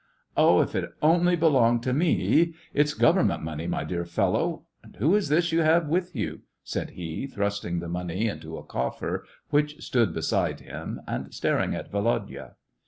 " Oh, if it only belonged to me ! It's gov ernment money, my dear fellow. And who is this you have with you t " said he, thrusting the money into a coffer which stood beside him, and staring at Volodya.